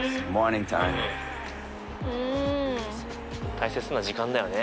大切な時間だよね。